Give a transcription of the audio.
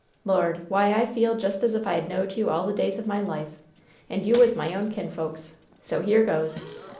Lord, why, I feel just as if I had knowed you all the days of my life, and you was my own kinfolks! So here goes!"